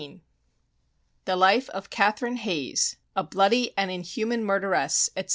The Life of CATHERINE HAYES, a bloody and inhuman Murderess, etc.